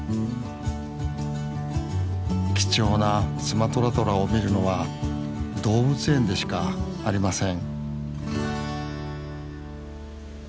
貴重なスマトラトラを見るのは動物園でしかありません